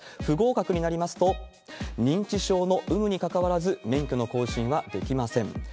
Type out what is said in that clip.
不合格になりますと、認知症の有無にかかわらず、免許の更新はできません。